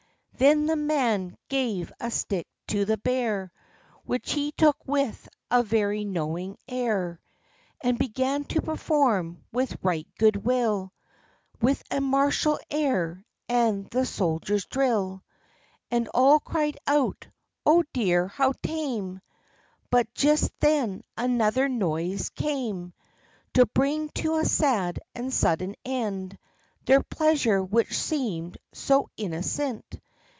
Then the man gave a stick to the bear, Which he took with a very knowing air, And began to perform with right good will, With a martial air, and the soldier's drill; And all cried out, " 0 dear, how tame !" But just then another noise came, To bring to a sad and sudden end Their pleasure, which seemed so innocent.